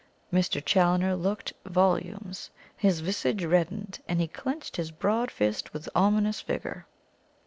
Mr. Challoner looked volumes his visage reddened, and he clenched his broad fist with ominous vigour.